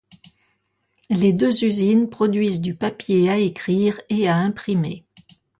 Les deux usines produisent du papier à écrire et à imprimer.